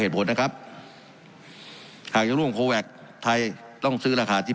ผลนะครับหากจะร่วมโคแวคไทยต้องซื้อราคาที่